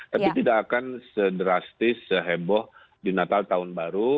tapi tidak akan sedrastis seheboh di natal tahun baru